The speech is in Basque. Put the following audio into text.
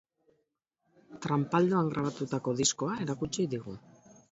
Tranpaldoan grabatutako diskoa erakutsi digu.